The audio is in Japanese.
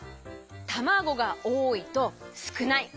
たまごがおおいとすくない。